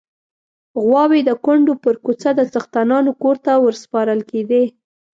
غواوې د کونډو پر کوڅه د څښتنانو کور ته ورسپارل کېدې.